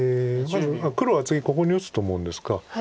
黒は次ここに打つと思うんですが。